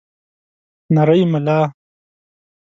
نرۍ ملا